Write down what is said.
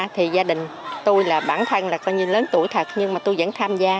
thì gia đình tôi bản thân là lớn tuổi thật nhưng tôi vẫn tham gia